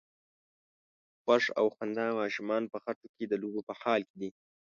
خوښ او خندان ماشومان په خټو کې د لوبو په حال کې دي.